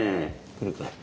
来るかな？